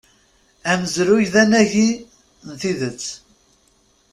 Amezruy d anagi n tidet.